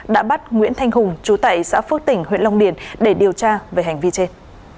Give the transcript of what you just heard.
đã bắt nguyễn thanh hùng chú tại xã phước tỉnh huyện long điền để điều tra về hành vi trên